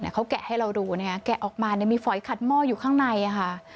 เขาแกะให้เราดูแกะออกมามีฝอยขัดหม้ออยู่ข้างในค่ะ